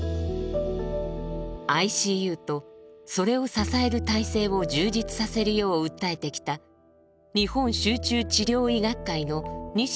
ＩＣＵとそれを支える体制を充実させるよう訴えてきた日本集中治療医学会の西田修理事長です。